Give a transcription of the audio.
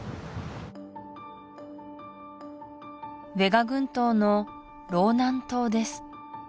ヴェガ群島のローナン島です